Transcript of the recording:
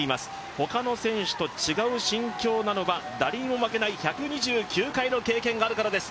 ほかの選手と違う心境なのは誰にも負けない１２９回の経験があるからです。